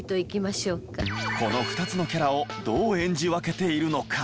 この２つのキャラをどう演じ分けているのか？